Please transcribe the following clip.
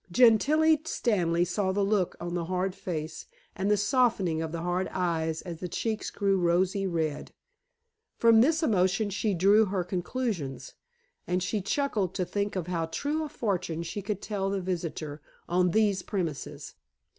Gentilla Stanley saw the look on the hard face and the softening of the hard eyes as the cheeks grew rosy red. From this emotion she drew her conclusions, and she chuckled to think of how true a fortune she could tell the visitor on these premises.